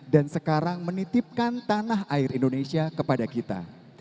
dan sekarang menitipkan tanah air indonesia kepada kita